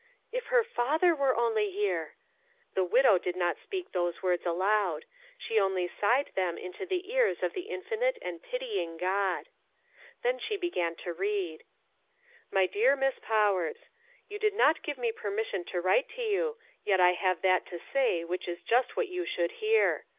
"If her father were only here!" The widow did not speak those words aloud. She only sighed them into the ears of the infinite and pitying God. Then she began to read : MY DEAR Miss POWERS: You did not give me permission to write to you, yet I have that to say which is just that you should hear.